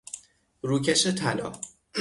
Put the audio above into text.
روکش طلا